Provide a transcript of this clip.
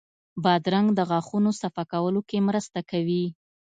بادرنګ د غاښونو صفا کولو کې مرسته کوي.